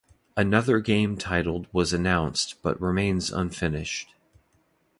Another game titled was announced but remains unfinished.